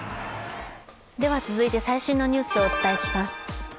続いて最新のニュースをお伝えします。